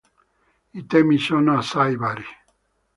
I temi sono assai vari.